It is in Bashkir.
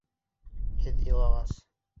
Һеҙ илағас...